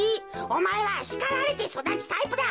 おまえはしかられてそだつタイプだ。